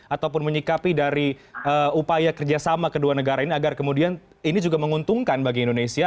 ataupun menyikapi dari upaya kerjasama kedua negara ini agar kemudian ini juga menguntungkan bagi indonesia